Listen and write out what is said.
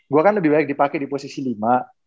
gue kan lebih banyak dipakai di posisi lima